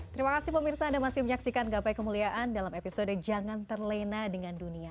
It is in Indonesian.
terima kasih pemirsa anda masih menyaksikan gapai kemuliaan dalam episode jangan terlena dengan dunia